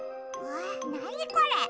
わあなにこれ？